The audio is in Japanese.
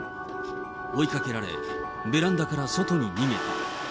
追いかけられ、ベランダから外に逃げた。